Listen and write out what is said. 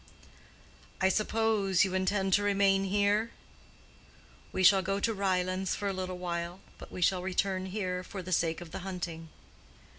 "I suppose you intend to remain here." "We shall go to Ryelands for a little while; but we shall return here for the sake of the hunting."